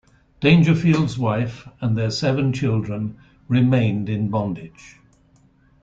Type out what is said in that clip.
Dangerfield's wife and their seven children remained in bondage.